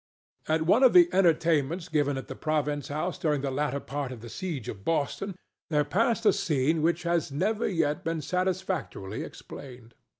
At one of the entertainments given at the province house during the latter part of the siege of Boston there passed a scene which has never yet been satisfactorily explained.